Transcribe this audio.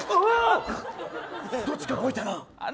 どっちかこいたな。